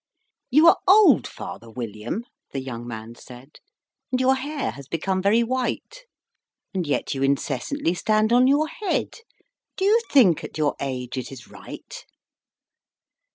"YOU are old, father William," the young man said, "And your hair has become very white; And yet you incessantly stand on your head Do you think, at your age, it is right?